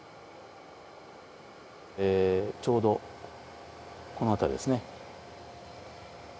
ちょうどこの辺りですね。